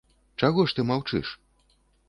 Чаго ж ты маўчыш?